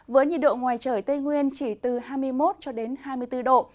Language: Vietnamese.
với nhiệt độ ngoài trời tây nguyên chỉ từ hai mươi một hai mươi bốn độ